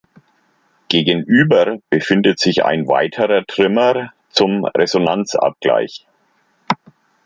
Gegenüber befindet sich ein weiterer Trimmer zum Resonanz-Abgleich.